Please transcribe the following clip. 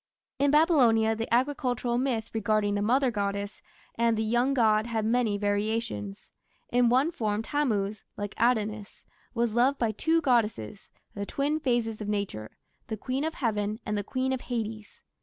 In Babylonia the agricultural myth regarding the Mother goddess and the young god had many variations. In one form Tammuz, like Adonis, was loved by two goddesses the twin phases of nature the Queen of Heaven and the Queen of Hades.